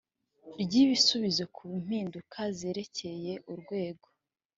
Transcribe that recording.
ry ibisubizo ku mpinduka zerekeye urwego